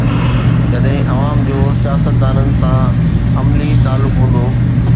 جڏهن عوام جو سياستدانن سان عملي تعلق هوندو.